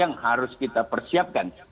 yang harus kita persiapkan